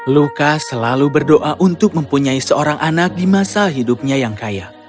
luka selalu berdoa untuk mempunyai seorang anak di masa hidupnya yang kaya